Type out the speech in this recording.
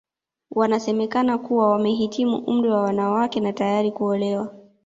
Wanasemekana kuwa wamehitimu umri wa wanawake na tayari kuolewa